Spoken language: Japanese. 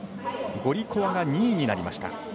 ゴリコワが２位になりました。